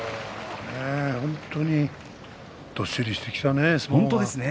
本当にどっしりしてきたね。